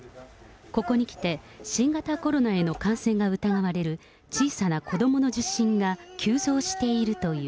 ここにきて、新型コロナへの感染が疑われる、小さな子どもの受診が急増しているという。